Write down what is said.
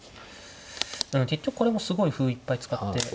結局これもすごい歩いっぱい使って。